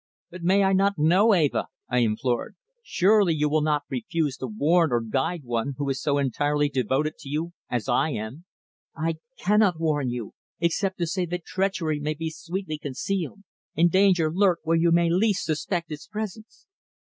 "But may I not know, Eva?" I implored. "Surely you will not refuse to warn or guide one who is so entirely devoted to you as I am?" "I cannot warn you, except to say that treachery may be sweetly concealed, and danger lurk where you may least suspect its presence."